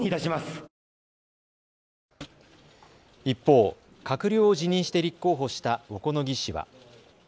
一方、閣僚を辞任して立候補した小此木氏は。